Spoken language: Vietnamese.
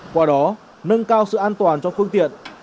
qua đó nâng cao sự an toàn cho phương tiện